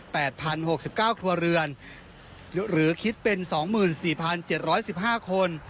พันหกสิบเก้าครัวเรือนหรือคิดเป็นสองหมื่นสี่พันเจ็ดร้อยสิบห้าคน